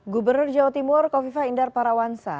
gubernur jawa timur kofifa indar parawansa